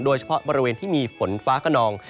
โดยเฉพาะบริเวณที่มีฝนฟ้ากระนอง